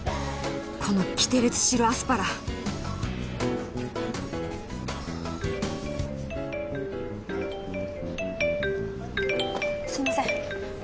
このキテレツ白アスパラすいません